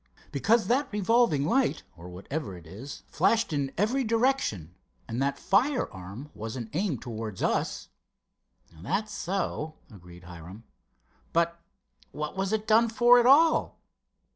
"Because that revolving light, or whatever it is, flashed in every direction, and that firearm wasn't aimed towards us." "That's so," agreed Hiram. "But what was it done for at all?"